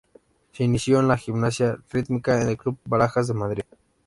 Se inició en la gimnasia rítmica en el Club Barajas de Madrid.